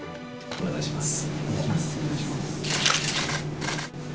お願いします。